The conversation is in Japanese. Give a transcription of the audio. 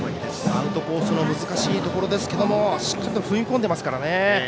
アウトコースの難しいところですけどもしっかり踏み込んでますからね。